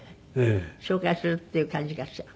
紹介するっていう感じかしら？